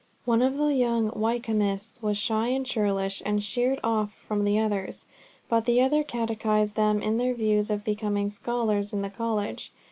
One of the young Wykehamists was shy and churlish, and sheered off from the brothers, but the other catechised them on their views of becoming scholars in the college.